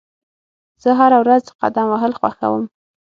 زه هره ورځ قدم وهل خوښوم.